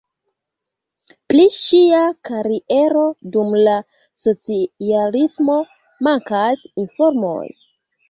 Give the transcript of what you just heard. Pri ŝia kariero dum la socialismo mankas informoj.